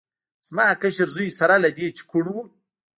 زما کشر زوی سره له دې چې کوڼ و.